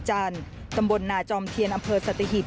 มันกลับมาแล้ว